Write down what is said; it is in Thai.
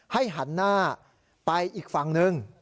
ให้หันหน้าไปอีกฝั่งนึง